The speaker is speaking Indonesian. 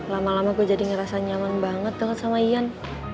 lama lama gue jadi ngerasa nyaman banget sama ian